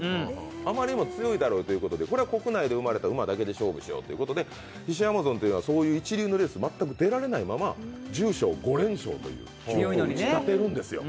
あまりにも強いだろうということで国内で生まれた馬だけで勝負しようということでヒシアマゾンというのは、そういう一流のレースに全く出られないまま重賞５連勝という成績を打ち立てるんですよ。